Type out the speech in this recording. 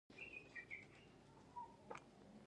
آیا دوی د ازادې سوداګرۍ پلویان نه دي؟